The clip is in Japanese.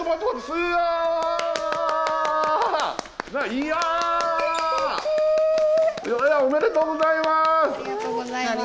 ステキ！おめでとうございます！